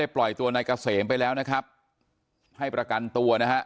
ปล่อยตัวนายเกษมไปแล้วนะครับให้ประกันตัวนะฮะ